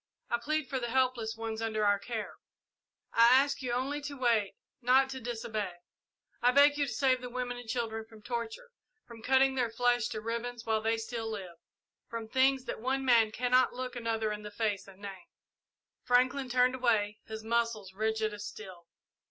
I plead for the helpless ones under our care. I ask you only to wait, not to disobey. I beg you to save the women and children from torture from cutting their flesh to ribbons while they still live from things that one man cannot look another in the face and name." Franklin turned away, his muscles rigid as steel.